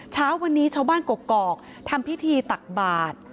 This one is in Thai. เช้าวันนี้ชาวบ้านกกอกทำพิธีตักบาท